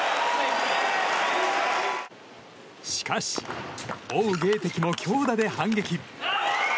しかし、オウ・ゲイテキも強打で反撃。